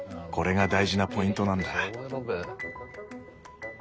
これが大事なポイントなんだ。